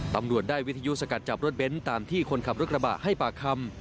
ตำรวจได้วิทยุสกัดจับรถเบ้นตามที่คนขับรถกระบะให้ปากคำ